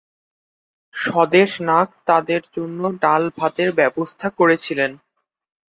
স্বদেশ নাগ তাদের জন্য ডাল-ভাতের ব্যবস্থা করেছিলেন।